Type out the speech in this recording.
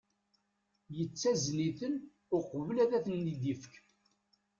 Yettazen-iten uqbel ad ten-id-yefk.